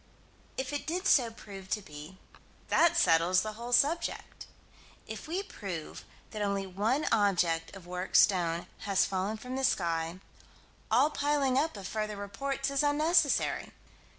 If it did so prove to be, that settles the whole subject. If we prove that only one object of worked stone has fallen from the sky, all piling up of further reports is unnecessary.